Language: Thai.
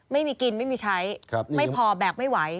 ไม่มีกินไม่มีใช้ไม่พอแบกไม่ไหว